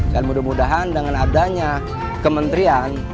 dan mudah mudahan dengan adanya kementrian